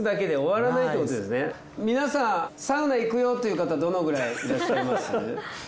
皆さんサウナ行くよっていう方どのくらいいらっしゃいます？